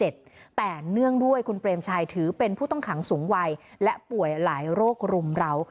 แต่เนื่องด้วยคุณเปรมชัยถือเป็นผู้ต้องขังสูงวัยและป่วยหลายโรครุมเรา